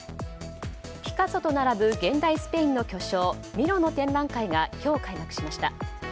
ピカソと並ぶ現代スペインの巨匠ミロの展覧会が今日、開幕しました。